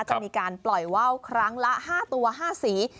จะมีการปล่อยว่าวครั้งละ๕ตัว๕สี